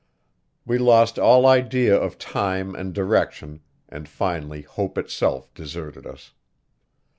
We lost all idea of time and direction, and finally hope itself deserted us.